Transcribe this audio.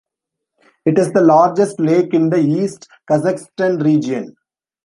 It is the largest lake in the East Kazakhstan Region.